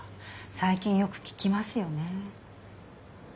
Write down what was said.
最近よく聞きますよね。